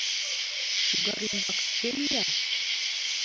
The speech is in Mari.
Шӱгар ӱмбак кӧ мия?